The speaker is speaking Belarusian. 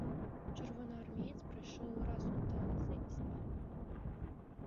Чырвонаармеец прайшоў раз у танцы і стаў.